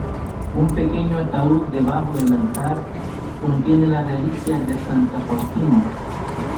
Un pequeño ataúd debajo del altar contiene las reliquias de Santa Faustina.